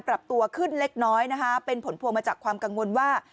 ปรับตัวขึ้นเล็กน้อยนะคะเป็นผลพวงมาจากความกังวลว่า